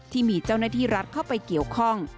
ที่มีเจ้าหน้าที่รัฐเข้าไปเกี่ยวข้อง